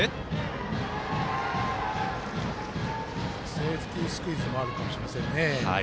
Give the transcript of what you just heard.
セーフティースクイズもあるかもしれませんね。